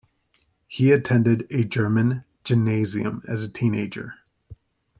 He attended a German gymnasium as a teenager.